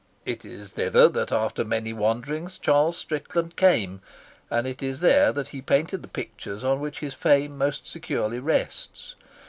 It is thither that after many wanderings Charles Strickland came, and it is there that he painted the pictures on which his fame most securely rests.